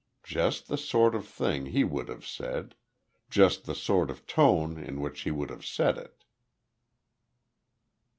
Just the sort of thing he would have said; just the sort of tone in which he would have said it.